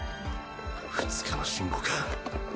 ２日の辛抱か。